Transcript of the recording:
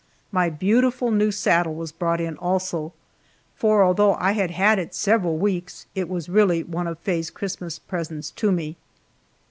My beautiful new saddle was brought in, also, for although I had had it several weeks, it was really one of Faye's Christmas gifts to me.